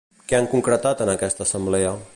Què han concretat en aquesta assemblea?